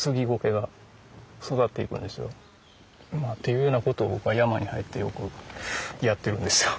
いうような事を僕は山に入ってよくやってるんですよ。